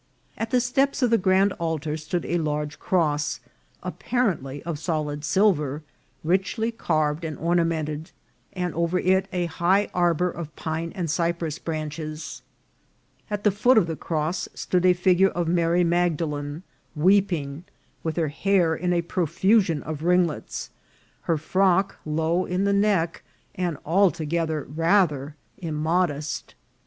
At the steps of the grand altar stood a large cross, apparently of solid silver, richly carved and ornament ed, and over it a high arbour of pine and cypress branches. At the foot of the cross stood a figure of Mary Magdalen weeping, with her hair in a profusion of ringlets, her frock low in the neck, and altogether rather immodest.